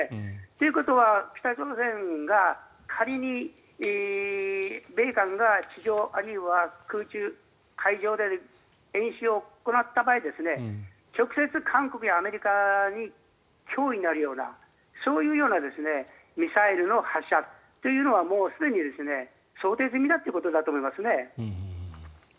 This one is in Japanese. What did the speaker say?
ということは北朝鮮が仮に米韓が地上、あるいは空中・海上で演習を行った場合直接、韓国やアメリカに脅威になるようなそういうようなミサイルの発射というのはもうすでに想定済みだということだと思いますね。